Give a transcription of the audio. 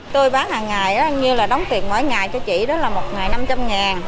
tôi bán hàng ngày đó như là đóng tiền mỗi ngày cho chị đó là một ngày năm trăm linh ngàn